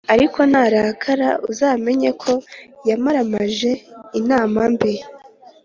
ariko narakara uzamenye ko yamaramaje inama mbi.